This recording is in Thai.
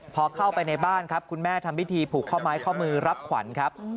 พอเข้าไปในบ้านครับคุณแม่ทำพิธีผูกข้อไม้ข้อมือรับขวัญครับ